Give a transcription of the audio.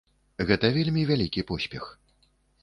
Гэта вельмі вялікі поспех.